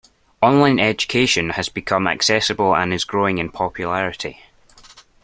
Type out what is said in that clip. Online Education has become accessible and is growing in popularity.